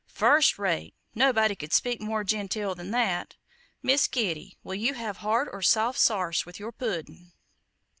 "First rate! nobody could speak more genteel than that. Miss Kitty, will you have hard or soft sarse with your pudden?"